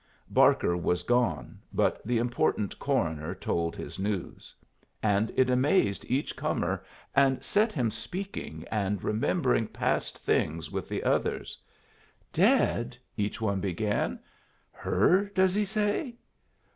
Barker was gone, but the important coroner told his news. And it amazed each comer, and set him speaking and remembering past things with the others. "Dead!" each one began. "Her, does he say?"